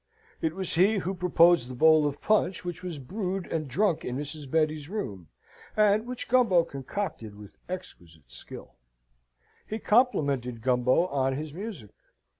It was he who proposed the bowl of punch, which was brewed and drunk in Mrs. Betty's room, and which Gumbo concocted with exquisite skill. He complimented Gumbo on his music.